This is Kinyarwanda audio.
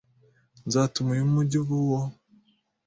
Nzatuma uyu mugi uba uwo